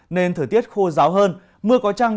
nên thời tiết khô giáo hơn mưa có trăng